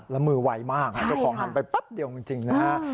แล้วมือไวมากของหันไปปั๊บเดียวกันจริง